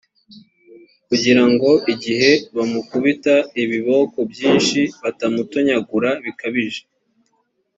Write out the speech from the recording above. kugira ngo igihe bamukubita ibiboko byinshi batamutonyagura bikabije,